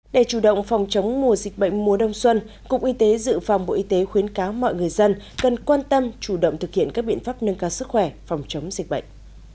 để chủ động phòng chống mùa dịch bệnh mùa đông xuân cục y tế dự phòng bộ y tế khuyến cáo mọi người dân cần quan tâm chủ động thực hiện các biện pháp nâng cao sức khỏe phòng chống dịch bệnh